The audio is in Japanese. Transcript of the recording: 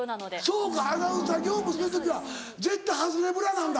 そうかアナウンサー業務する時は絶対ハズレブラなんだ。